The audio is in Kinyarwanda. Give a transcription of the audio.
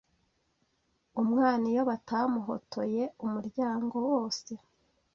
Umwana iyo batamuhotoye umuryango wose